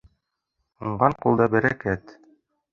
Уңған ҡулда бәрәкәт.